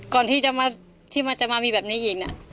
ก่อนที่จะมาจะมามีแบบนี้อีกนะ